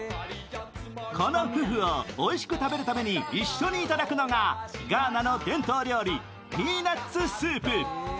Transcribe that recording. このフフをおいしく食べるために一緒にいただくのが、ガーナの伝統料理・ピーナッツスープ。